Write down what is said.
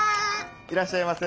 いらっしゃいませ。